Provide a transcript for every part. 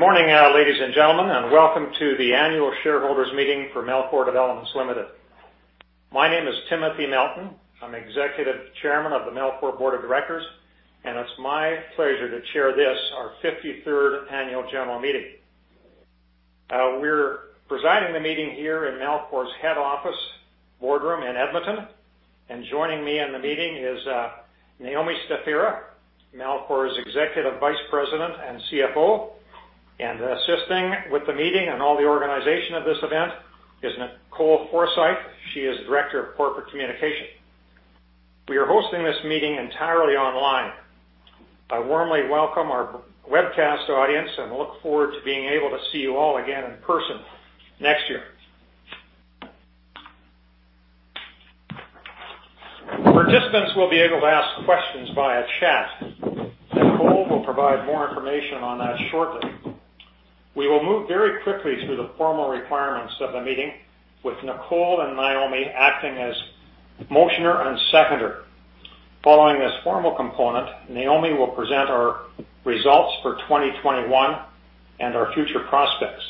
Good morning, ladies and gentlemen, and welcome to the annual shareholders' meeting for Melcor Developments Ltd. My name is Timothy Melton. I'm Executive Chairman of the Melcor Board of Directors, and it's my pleasure to chair this, our 53rd annual general meeting. We're presiding the meeting here in Melcor's head office boardroom in Edmonton. Joining me in the meeting is Naomi Stefura, Melcor's Executive Vice President and CFO. Assisting with the meeting and all the organization of this event is Nicole Forsythe. She is Director of Corporate Communications. We are hosting this meeting entirely online. I warmly welcome our webcast audience and look forward to being able to see you all again in person next year. Participants will be able to ask questions via chat. Nicole will provide more information on that shortly. We will move very quickly through the formal requirements of the meeting with Nicole and Naomi acting as motioner and seconder. Following this formal component, Naomi will present our results for 2021 and our future prospects.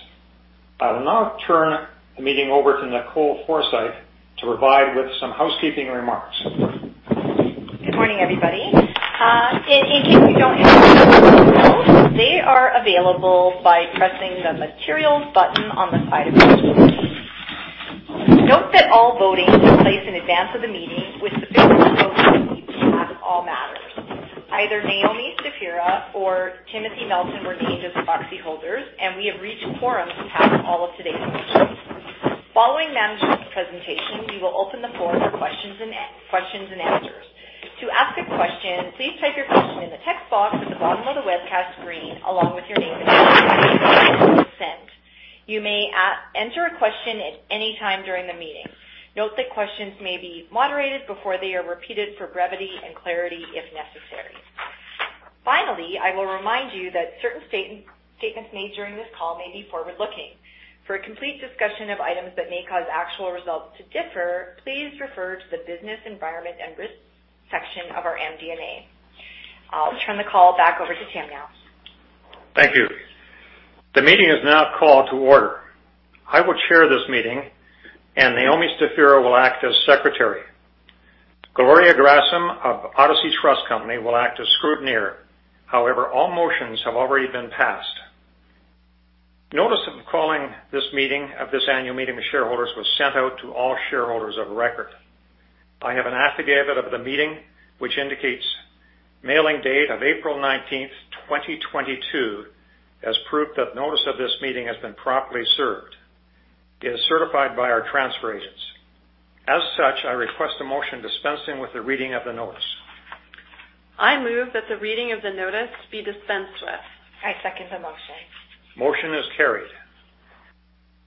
I will now turn the meeting over to Nicole Forsythe to provide with some housekeeping remarks. Good morning, everybody. In case you don't have notes, they are available by pressing the Materials button on the side of your screen. Note that all voting took place in advance of the meeting with all matters. Either Naomi Stefura or Timothy Melton were named as proxy holders, and we have reached quorum to pass all of today's motions. Following management's presentation, we will open the floor for questions and answers. To ask a question, please type your question in the text box at the bottom of the webcast screen, along with your name and send. You may enter a question at any time during the meeting. Note that questions may be moderated before they are repeated for brevity and clarity if necessary. Finally, I will remind you that certain statements made during this call may be forward-looking. For a complete discussion of items that may cause actual results to differ, please refer to the Business Environment and Risk section of our MD&A. I'll turn the call back over to Tim now. Thank you. The meeting is now called to order. I will chair this meeting, and Naomi Stefura will act as secretary. Gloria Gherasim of Odyssey Trust Company will act as scrutineer. However, all motions have already been passed. Notice of calling this meeting, of this annual meeting of shareholders was sent out to all shareholders of record. I have an affidavit of the meeting which indicates mailing date of April 19th, 2022, as proof that notice of this meeting has been properly served. It is certified by our transfer agents. As such, I request a motion dispensing with the reading of the notice. I move that the reading of the notice be dispensed with. I second the motion. Motion is carried.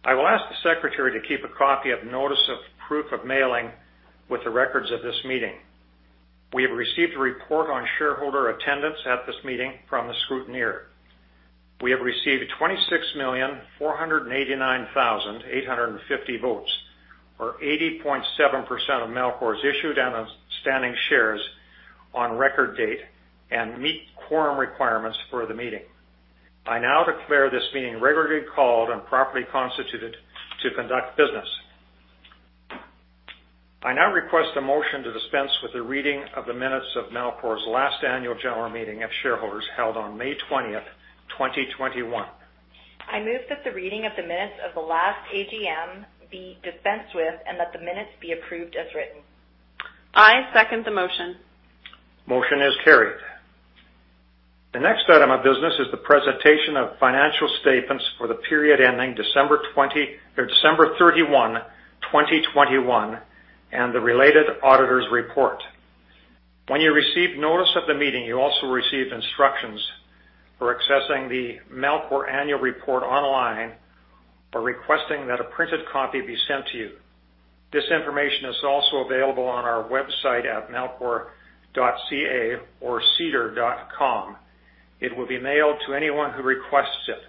I will ask the secretary to keep a copy of notice of proof of mailing with the records of this meeting. We have received a report on shareholder attendance at this meeting from the scrutineer. We have received 26,489,850 votes, or 80.7% of Melcor's issued and outstanding shares on record date and meet quorum requirements for the meeting. I now declare this meeting regularly called and properly constituted to conduct business. I now request a motion to dispense with the reading of the minutes of Melcor's last annual general meeting of shareholders held on May 20, 2021. I move that the reading of the minutes of the last AGM be dispensed with and that the minutes be approved as written. I second the motion. Motion is carried. The next item of business is the presentation of financial statements for the period ending December 31, 2021, and the related auditor's report. When you received notice of the meeting, you also received instructions for accessing the Melcor annual report online or requesting that a printed copy be sent to you. This information is also available on our website at melcor.ca or SEDAR.com. It will be mailed to anyone who requests it.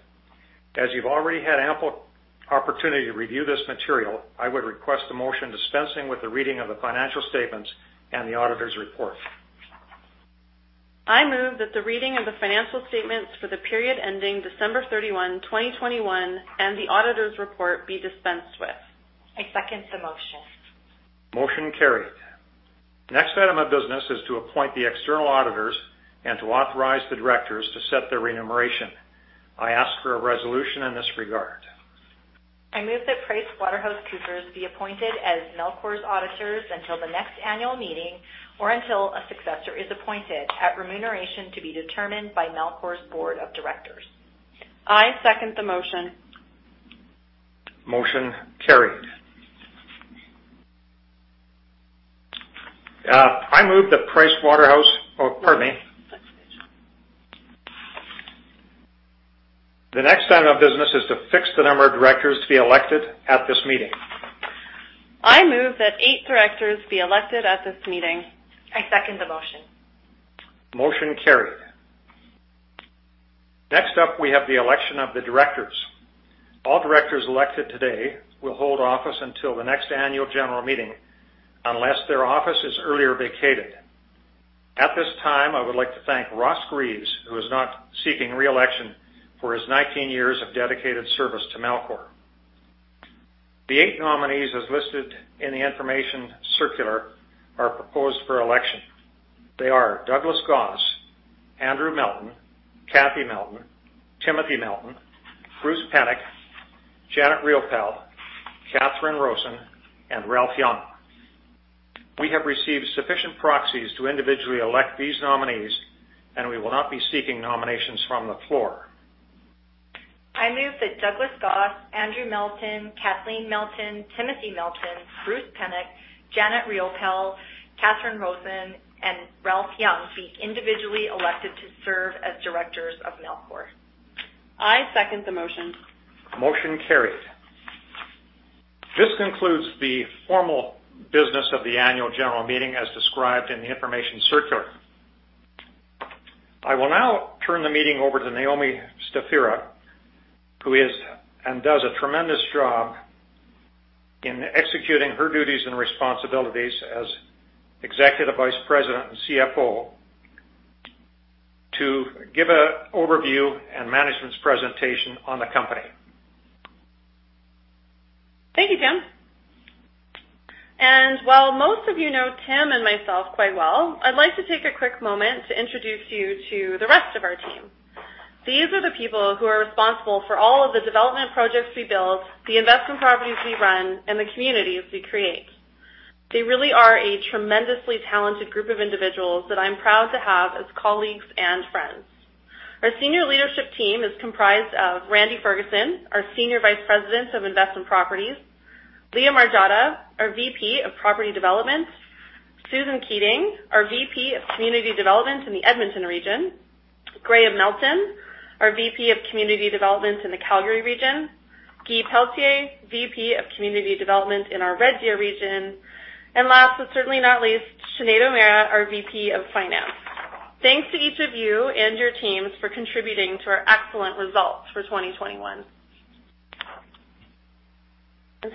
As you've already had ample opportunity to review this material, I would request a motion dispensing with the reading of the financial statements and the auditor's report. I move that the reading of the financial statements for the period ending December 31, 2021, and the auditor's report be dispensed with. I second the motion. Motion carried. The next item of business is to appoint the external auditors and to authorize the directors to set their remuneration. I ask for a resolution in this regard. I move that PricewaterhouseCoopers be appointed as Melcor's auditors until the next annual meeting or until a successor is appointed at remuneration to be determined by Melcor's board of directors. I second the motion. Motion carried. Oh, pardon me. Next page. The next item of business is to fix the number of directors to be elected at this meeting. I move that eight directors be elected at this meeting. I second the motion. Motion carried. Next up, we have the election of the directors. All directors elected today will hold office until the next annual general meeting, unless their office is earlier vacated. At this time, I would like to thank Ross Grieve, who is not seeking re-election for his 19 years of dedicated service to Melcor. The eight nominees, as listed in the information circular, are proposed for election. They are Douglas Goss, Andrew Melton, Kathleen Melton, Timothy Melton, Bruce Pennock, Janet Riopel, Catherine Roozen, and Ralph Young. We have received sufficient proxies to individually elect these nominees, and we will not be seeking nominations from the floor. I move that Douglas Goss, Andrew Melton, Kathleen Melton, Timothy Melton, Bruce Pennock, Janet Riopel, Catherine Roozen, and Ralph Young be individually elected to serve as directors of Melcor. I second the motion. Motion carried. This concludes the formal business of the annual general meeting as described in the information circular. I will now turn the meeting over to Naomi Stefura, who is and does a tremendous job in executing her duties and responsibilities as Executive Vice President and CFO, to give an overview and management's presentation on the company. Thank you, Tim. While most of you know Tim and myself quite well, I'd like to take a quick moment to introduce you to the rest of our team. These are the people who are responsible for all of the development projects we build, the investment properties we run, and the communities we create. They really are a tremendously talented group of individuals that I'm proud to have as colleagues and friends. Our senior leadership team is comprised of Randy Ferguson, our Senior Vice President of Investment Properties, Leah Margiotta, our VP of Property Development, Susan Keating, our VP of Community Development in the Edmonton region, Graeme Melton, our VP of Community Development in the Calgary region, Guy Pelletier, VP of Community Development in our Red Deer region, and last, but certainly not least, Sinead O'Meara, our VP of Finance. Thanks to each of you and your teams for contributing to our excellent results for 2021.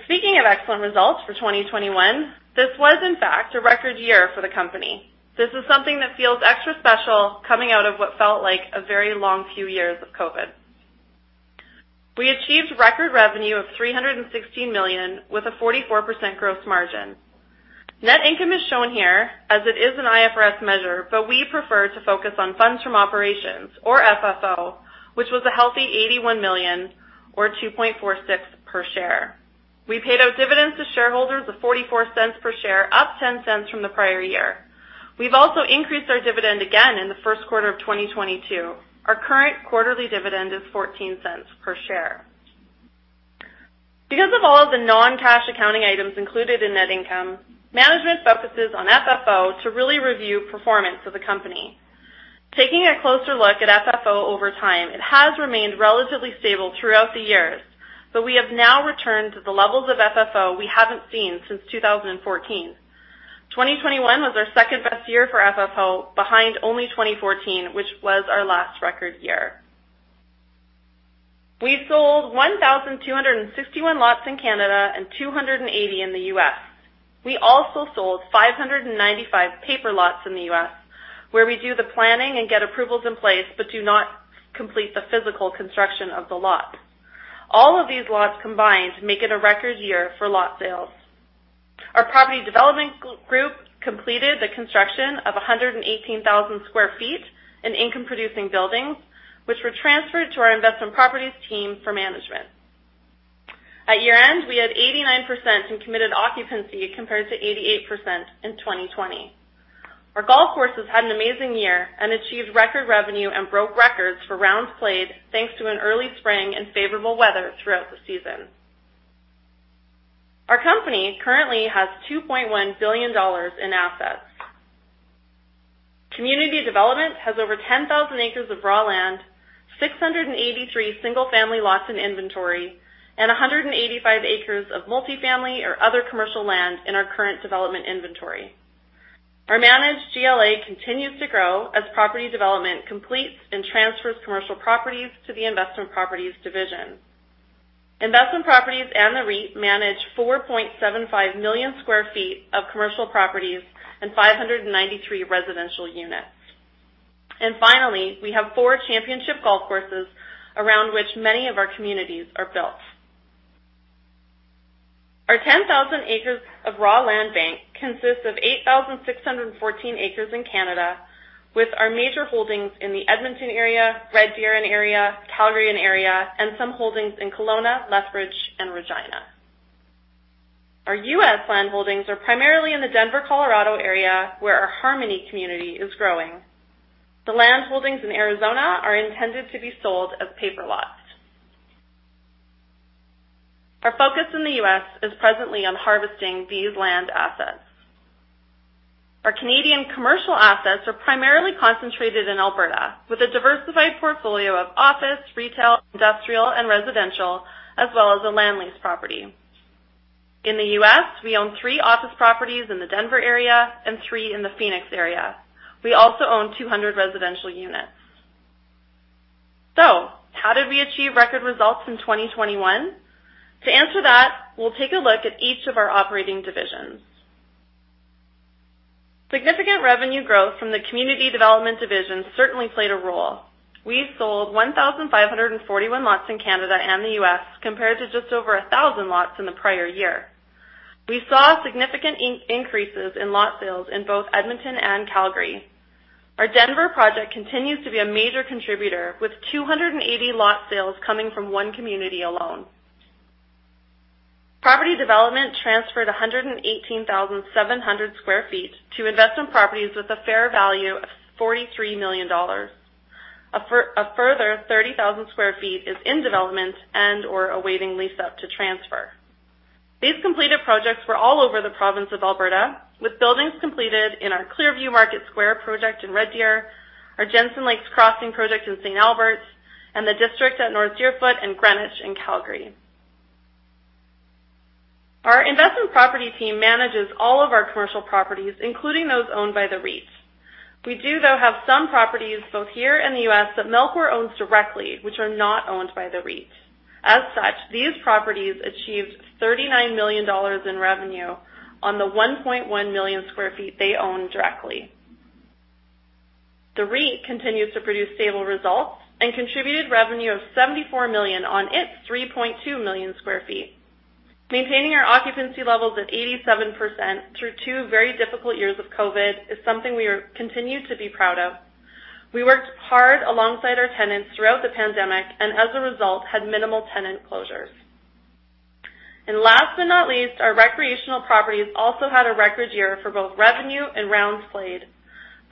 Speaking of excellent results for 2021, this was in fact a record year for the company. This is something that feels extra special coming out of what felt like a very long few years of COVID. We achieved record revenue of 316 million, with a 44% gross margin. Net income is shown here as it is an IFRS measure, but we prefer to focus on funds from operations, or FFO, which was a healthy 81 million or 2.46 per share. We paid out dividends to shareholders of 0.44 per share, up 0.10 from the prior year. We've also increased our dividend again in the first quarter of 2022. Our current quarterly dividend is 0.14 per share. Because of all of the non-cash accounting items included in net income, management focuses on FFO to really review performance of the company. Taking a closer look at FFO over time, it has remained relatively stable throughout the years, but we have now returned to the levels of FFO we haven't seen since 2014. 2021 was our second-best year for FFO, behind only 2014, which was our last record year. We sold 1,261 lots in Canada and 280 in the U.S. We also sold 595 paper lots in the U.S., where we do the planning and get approvals in place, but do not complete the physical construction of the lot. All of these lots combined make it a record year for lot sales. Our property development group completed the construction of 118,000 sq ft in income-producing buildings, which were transferred to our investment properties team for management. At year-end, we had 89% in committed occupancy compared to 88% in 2020. Our golf courses had an amazing year and achieved record revenue and broke records for rounds played, thanks to an early spring and favorable weather throughout the season. Our company currently has 2.1 billion dollars in assets. Community development has over 10,000 acres of raw land, 683 single-family lots in inventory, and 185 acres of multifamily or other commercial land in our current development inventory. Our managed GLA continues to grow as property development completes and transfers commercial properties to the investment properties division. Investment properties and the REIT manage 4.75 million sq ft of commercial properties and 593 residential units. Finally, we have four championship golf courses around which many of our communities are built. Our 10,000 acres of raw land bank consists of 8,614 acres in Canada, with our major holdings in the Edmonton area, Red Deer area, Calgary area, and some holdings in Kelowna, Lethbridge, and Regina. Our U.S. land holdings are primarily in the Denver, Colorado area, where our Harmony community is growing. The land holdings in Arizona are intended to be sold as paper lots. Our focus in the U.S. is presently on harvesting these land assets. Our Canadian commercial assets are primarily concentrated in Alberta, with a diversified portfolio of office, retail, industrial, and residential, as well as a land lease property. In the U.S., we own three office properties in the Denver area and three in the Phoenix area. We also own 200 residential units. How did we achieve record results in 2021? To answer that, we'll take a look at each of our operating divisions. Significant revenue growth from the community development division certainly played a role. We sold 1,541 lots in Canada and the U.S. compared to just over 1,000 lots in the prior year. We saw significant increases in lot sales in both Edmonton and Calgary. Our Denver project continues to be a major contributor with 280 lot sales coming from one community alone. Property development transferred 118,700 sq ft to investment properties with a fair value of 43 million dollars. A further 30,000 sq ft is in development and/or awaiting lease-up to transfer. These completed projects were all over the province of Alberta, with buildings completed in our Clearview Market Square project in Red Deer, our Jensen Lakes Crossing project in St. Albert, and The District at North Deerfoot and Greenwich in Calgary. Our investment property team manages all of our commercial properties, including those owned by the REITs. We do, though, have some properties both here in the U.S. that Melcor owns directly, which are not owned by the REIT. As such, these properties achieved 39 million dollars in revenue on the 1.1 million sq ft they own directly. The REIT continues to produce stable results and contributed revenue of 74 million on its 3.2 million sq ft. Maintaining our occupancy levels at 87% through two very difficult years of COVID is something we are continued to be proud of. We worked hard alongside our tenants throughout the pandemic and as a result, had minimal tenant closures. Last but not least, our recreational properties also had a record year for both revenue and rounds played.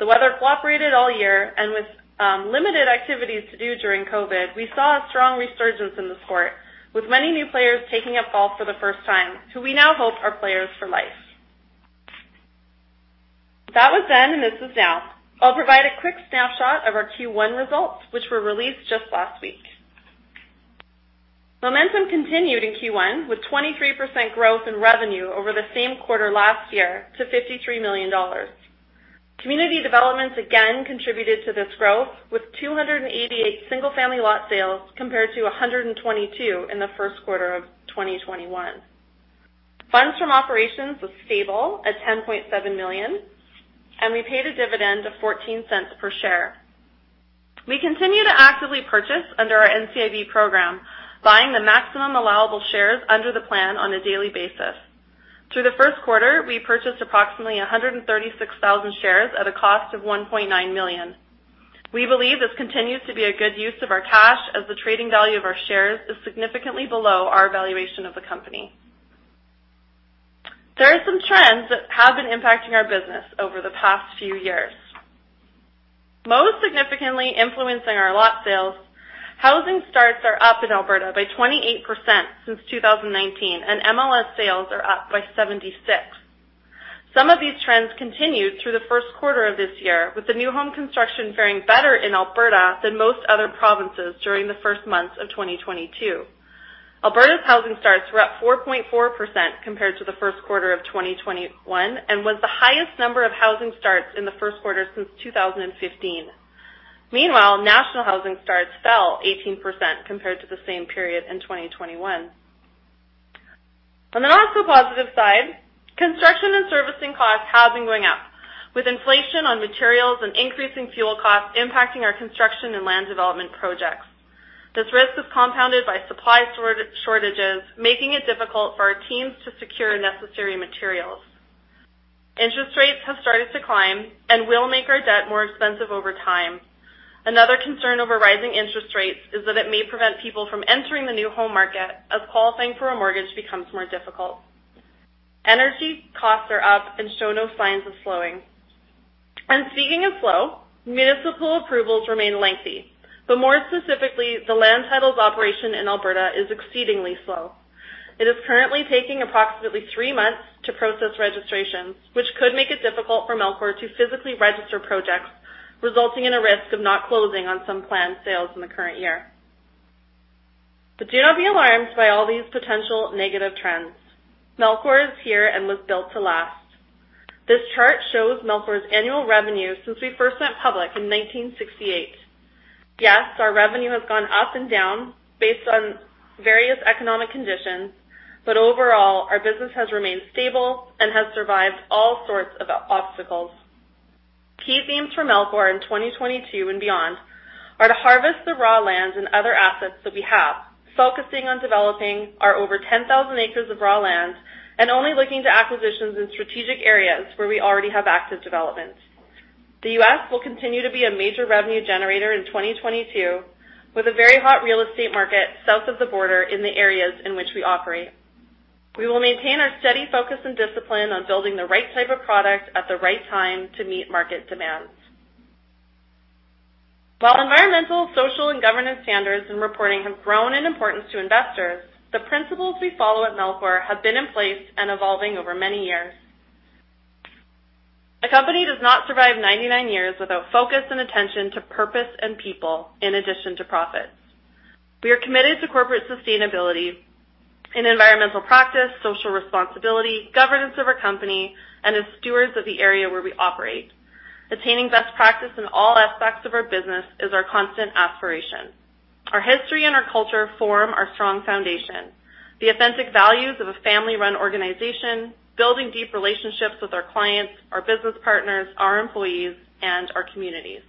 The weather cooperated all year, and with limited activities to do during COVID, we saw a strong resurgence in the sport, with many new players taking up golf for the first time, who we now hope are players for life. That was then, and this is now. I'll provide a quick snapshot of our Q1 results, which were released just last week. Momentum continued in Q1 with 23% growth in revenue over the same quarter last year to 53 million dollars. Community developments again contributed to this growth, with 288 single-family lot sales compared to 122 in the first quarter of 2021. Funds from operations was stable at 10.7 million, and we paid a dividend of 0.14 per share. We continue to actively purchase under our NCIB program, buying the maximum allowable shares under the plan on a daily basis. Through the first quarter, we purchased approximately 136,000 shares at a cost of 1.9 million. We believe this continues to be a good use of our cash as the trading value of our shares is significantly below our valuation of the company. There are some trends that have been impacting our business over the past few years. Most significantly influencing our lot sales, housing starts are up in Alberta by 28% since 2019, and MLS sales are up by 76%. Some of these trends continued through the first quarter of this year, with the new home construction faring better in Alberta than most other provinces during the first months of 2022. Alberta's housing starts were up 4.4% compared to the first quarter of 2021 and was the highest number of housing starts in the first quarter since 2015. Meanwhile, national housing starts fell 18% compared to the same period in 2021. On the also positive side, construction and servicing costs have been going up, with inflation on materials and increasing fuel costs impacting our construction and land development projects. This risk is compounded by supply shortages, making it difficult for our teams to secure necessary materials. Interest rates have started to climb and will make our debt more expensive over time. Another concern over rising interest rates is that it may prevent people from entering the new home market as qualifying for a mortgage becomes more difficult. Energy costs are up and show no signs of slowing. Speaking of slow, municipal approvals remain lengthy. More specifically, the land titles operation in Alberta is exceedingly slow. It is currently taking approximately three months to process registrations, which could make it difficult for Melcor to physically register projects, resulting in a risk of not closing on some planned sales in the current year. Do not be alarmed by all these potential negative trends. Melcor is here and was built to last. This chart shows Melcor's annual revenue since we first went public in 1968. Yes, our revenue has gone up and down based on various economic conditions, but overall, our business has remained stable and has survived all sorts of obstacles. Key themes for Melcor in 2022 and beyond are to harvest the raw lands and other assets that we have, focusing on developing our over 10,000 acres of raw lands and only looking to acquisitions in strategic areas where we already have active developments. The U.S. will continue to be a major revenue generator in 2022, with a very hot real estate market south of the border in the areas in which we operate. We will maintain our steady focus and discipline on building the right type of product at the right time to meet market demands. While environmental, social, and governance standards and reporting have grown in importance to investors, the principles we follow at Melcor have been in place and evolving over many years. A company does not survive 99 years without focus and attention to purpose and people in addition to profits. We are committed to corporate sustainability in environmental practice, social responsibility, governance of our company, and as stewards of the area where we operate. Attaining best practice in all aspects of our business is our constant aspiration. Our history and our culture form our strong foundation. The authentic values of a family-run organization, building deep relationships with our clients, our business partners, our employees, and our communities.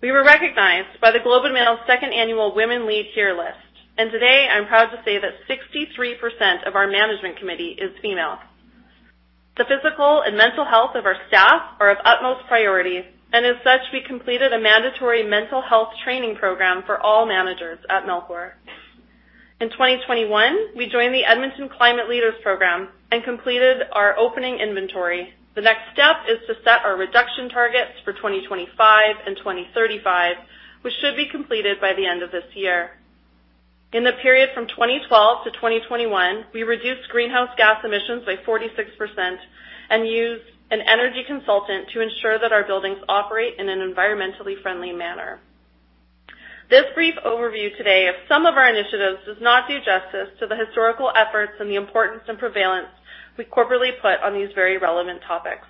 We were recognized by The Globe and Mail second annual Women Lead Here list, and today I'm proud to say that 63% of our management committee is female. The physical and mental health of our staff are of utmost priority, and as such, we completed a mandatory mental health training program for all managers at Melcor. In 2021, we joined the Corporate Climate Leaders Program and completed our opening inventory. The next step is to set our reduction targets for 2025 and 2035, which should be completed by the end of this year. In the period from 2012 to 2021, we reduced greenhouse gas emissions by 46% and used an energy consultant to ensure that our buildings operate in an environmentally friendly manner. This brief overview today of some of our initiatives does not do justice to the historical efforts and the importance and prevalence we corporately put on these very relevant topics.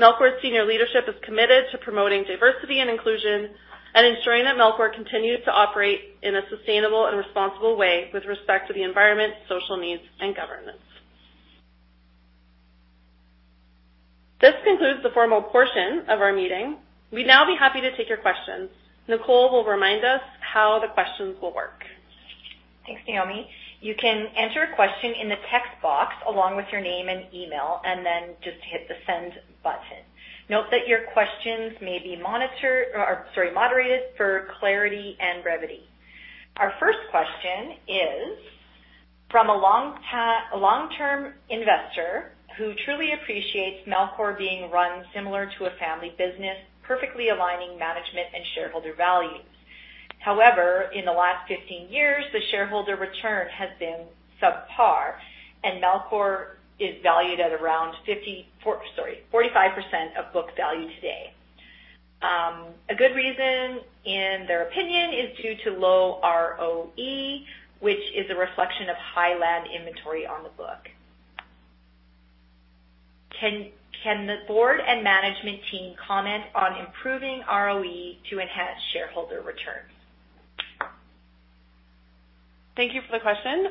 Melcor's senior leadership is committed to promoting diversity and inclusion and ensuring that Melcor continues to operate in a sustainable and responsible way with respect to the environment, social needs, and governance. This concludes the formal portion of our meeting. We'd now be happy to take your questions. Nicole will remind us how the questions will work. Thanks, Naomi. You can enter a question in the text box along with your name and email, and then just hit the send button. Note that your questions may be monitored or, sorry, moderated for clarity and brevity. Our first question is from a long-term investor who truly appreciates Melcor being run similar to a family business, perfectly aligning management and shareholder values. However, in the last 15 years, the shareholder return has been subpar, and Melcor is valued at around 45% of book value today. A good reason, in their opinion, is due to low ROE, which is a reflection of high land inventory on the book. Can the board and management team comment on improving ROE to enhance shareholder returns? Thank you for the question.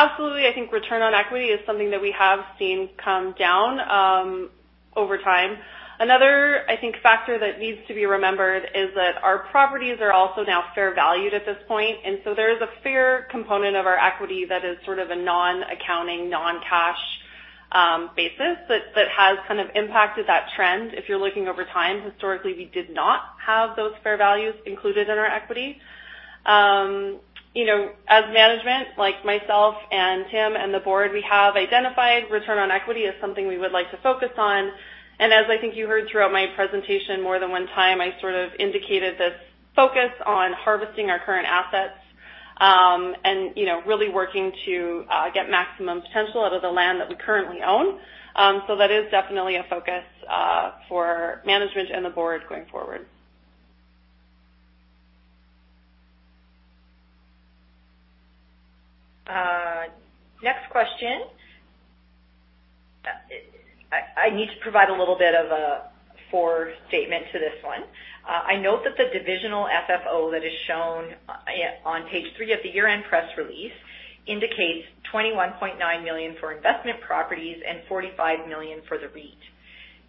Absolutely. I think return on equity is something that we have seen come down, over time. Another, I think, factor that needs to be remembered is that our properties are also now fair valued at this point, and so there is a fair component of our equity that is sort of a non-accounting, non-cash, basis that has kind of impacted that trend. If you're looking over time, historically, we did not have those fair values included in our equity. You know, as management, like myself and Tim and the board, we have identified return on equity as something we would like to focus on, and as I think you heard throughout my presentation more than one time, I sort of indicated this focus on harvesting our current assets, and, you know, really working to get maximum potential out of the land that we currently own. That is definitely a focus for management and the board going forward. Next question. I need to provide a little bit of a forward statement to this one. I note that the divisional FFO that is shown on page three of the year-end press release indicates 21.9 million for investment properties and 45 million for the REIT.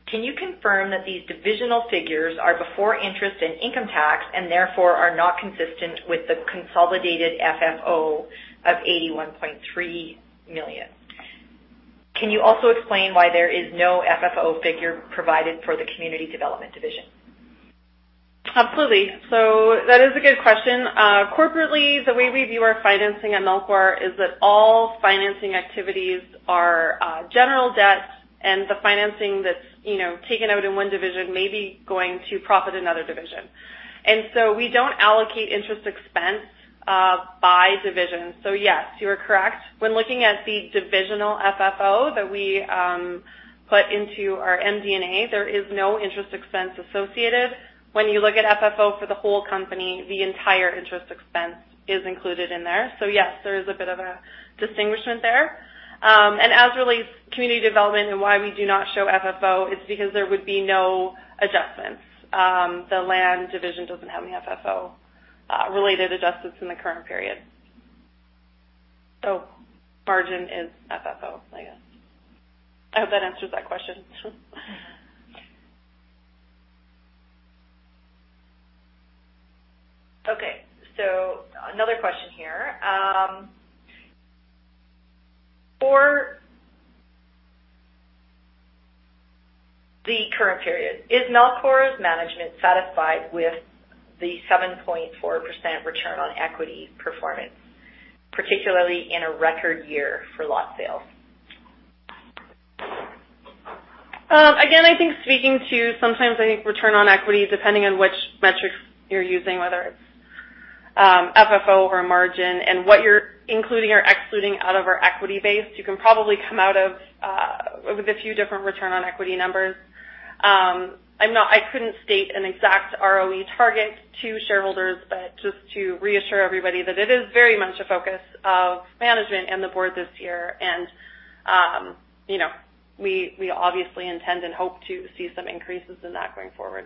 Can you confirm that these divisional figures are before interest and income tax and therefore are not consistent with the consolidated FFO of 81.3 million? Can you also explain why there is no FFO figure provided for the community development division? Absolutely. That is a good question. Corporately, the way we view our financing at Melcor is that all financing activities are general debt and the financing that's, you know, taken out in one division may be going to profit another division. We don't allocate interest expense by division. Yes, you are correct. When looking at the divisional FFO that we put into our MD&A, there is no interest expense associated. When you look at FFO for the whole company, the entire interest expense is included in there. Yes, there is a bit of a distinguishment there. As relates community development and why we do not show FFO, it's because there would be no adjustments. The land division doesn't have any FFO related adjustments in the current period. Margin is FFO, I guess. I hope that answers that question. Okay. Another question here. For the current period, is Melcor's management satisfied with the 7.4% return on equity performance, particularly in a record year for lot sales? Again, I think speaking to sometimes I think return on equity, depending on which metrics you're using, whether it's FFO or margin and what you're including or excluding out of our equity base, you can probably come out with a few different return on equity numbers. I couldn't state an exact ROE target to shareholders, but just to reassure everybody that it is very much a focus of management and the board this year. You know, we obviously intend and hope to see some increases in that going forward.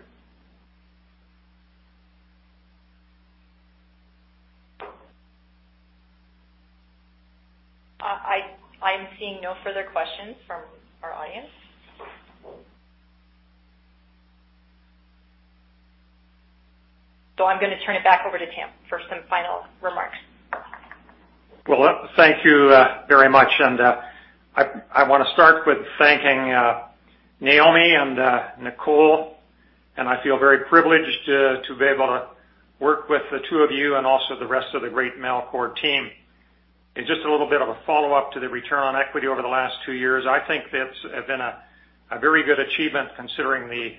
I'm seeing no further questions from our audience. I'm gonna turn it back over to Tim for some final remarks. Well, thank you very much. I wanna start with thanking Naomi and Nicole, and I feel very privileged to be able to work with the two of you and also the rest of the great Melcor team. Just a little bit of a follow-up to the return on equity over the last two years. I think that's been a very good achievement, considering the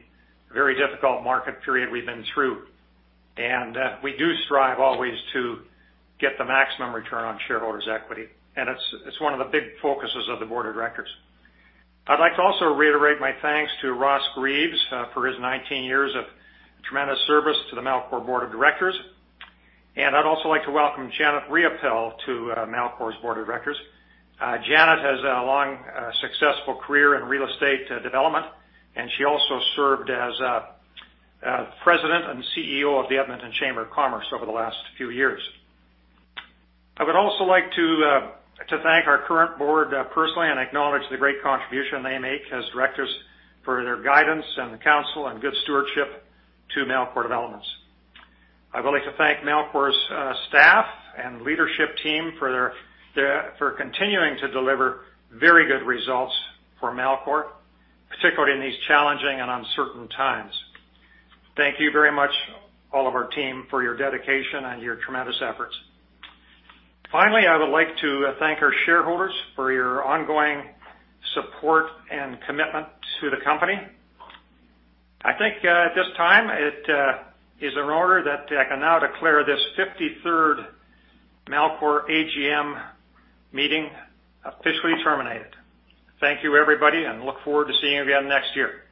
very difficult market period we've been through. We do strive always to get the maximum return on shareholders' equity, and it's one of the big focuses of the board of directors. I'd like to also reiterate my thanks to Ross Grieve for his 19 years of tremendous service to the Melcor board of directors. I'd also like to welcome Janet Riopel to Melcor's board of directors. Janet has a long, successful career in real estate development, and she also served as president and CEO of the Edmonton Chamber of Commerce over the last few years. I would also like to thank our current board personally and acknowledge the great contribution they make as directors for their guidance and counsel and good stewardship to Melcor Developments. I would like to thank Melcor's staff and leadership team for continuing to deliver very good results for Melcor, particularly in these challenging and uncertain times. Thank you very much all of our team for your dedication and your tremendous efforts. Finally, I would like to thank our shareholders for your ongoing support and commitment to the company. I think, at this time it is in order that I can now declare this 53rd Melcor AGM meeting officially terminated. Thank you everybody, and look forward to seeing you again next year.